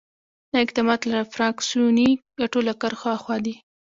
دا اقدامات له فراکسیوني ګټو له کرښو آخوا دي.